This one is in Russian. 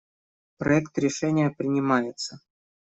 Проект решения принимается.